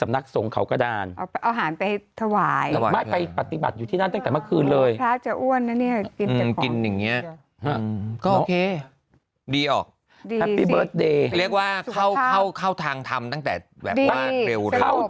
ประมาณอยู่มา๒๓วันแล้ว